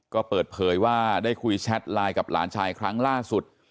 ก็เปิดเผยว่าได้คุยแชทไลน์กับหลานชายครั้งล่าสุด